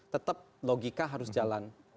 tetap logika harus jalan